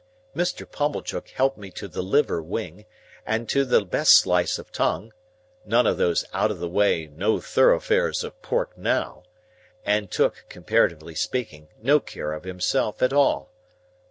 Mr. Pumblechook helped me to the liver wing, and to the best slice of tongue (none of those out of the way No Thoroughfares of Pork now), and took, comparatively speaking, no care of himself at all.